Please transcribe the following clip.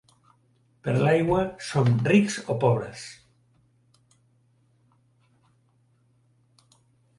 Per l'aigua som rics o pobres.